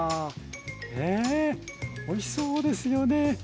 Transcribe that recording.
ねおいしそうですよね！